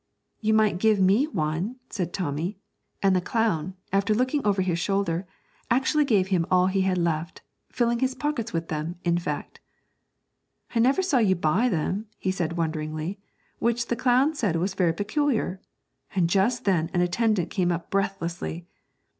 'You might give me one,' said Tommy; and the clown, after looking over his shoulder, actually gave him all he had left, filling his pocket with them, in fact. 'I never saw you buy them,' he said wonderingly, which the clown said was very peculiar; and just then an attendant came up breathlessly.